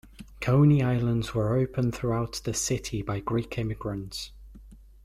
Coney Islands were opened throughout the city by Greek immigrants.